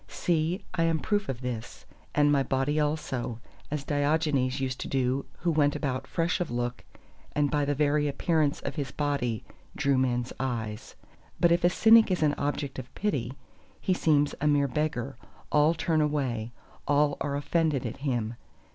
"See, I am proof of this! and my body also." As Diogenes used to do, who went about fresh of look and by the very appearance of his body drew men's eyes. But if a Cynic is an object of pity, he seems a mere beggar; all turn away, all are offended at him.